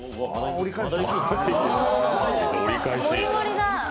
折り返し。